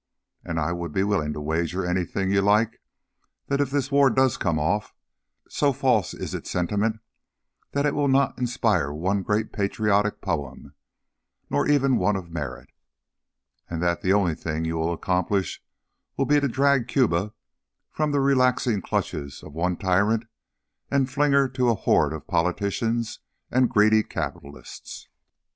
And I would be willing to wager anything you like that if this war does come off, so false is its sentiment that it will not inspire one great patriotic poem, nor even one of merit, and that the only thing you will accomplish will be to drag Cuba from the relaxing clutches of one tyrant and fling her to a horde of politicians and greedy capitalists."